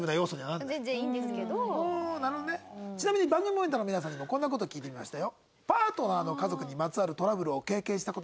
ちなみに番組モニターの皆さんにもこんな事聞いてみましたよ。